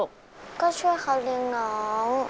ก็ช่วยเขาเลี้ยงน้อง